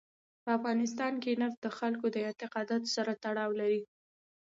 په افغانستان کې نفت د خلکو د اعتقاداتو سره تړاو لري.